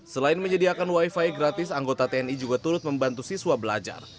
selain menyediakan wifi gratis anggota tni juga turut membantu siswa belajar